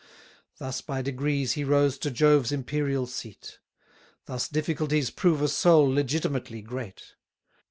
Thus by degrees he rose to Jove's imperial seat; Thus difficulties prove a soul legitimately great.